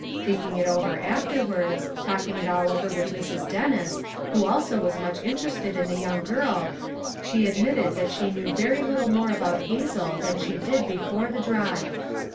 Thinking it over afterwards, talking it all over with Mrs. Dennis, who also was much interested in the young girl, she ad mitted that she knew very little more about Hazel than she did before the drive.